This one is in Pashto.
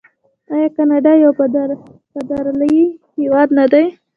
آیا کاناډا یو فدرالي هیواد نه دی؟